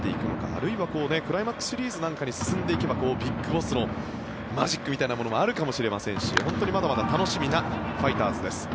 あるいはクライマックスシリーズなんかに進んでいけばＢＩＧＢＯＳＳのマジックみたいなものもあるかもしれませんし本当にまだまだ楽しみなファイターズです。